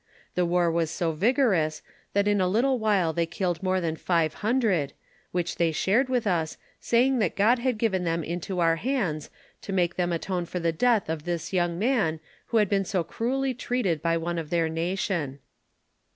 The war was so vigorous, that in a little while they killed more than five hundred, which they shared with us, saying that God had given them into our hands, to make them atone for the death of this young man who had been so cruelly treated by one of their nation.